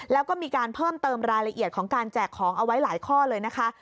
แล้วก็มีการเพิ่มเติมรายละเอียดของการแจกของเอาไว้หลายข้อเลยนะคะ